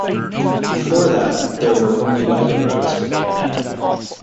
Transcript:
Before that there were only wagon roads to Bay Minette.